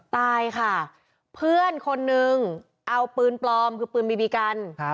ตายค่ะเพื่อนคนนึงเอาปืนปลอมคือปืนบีบีกัน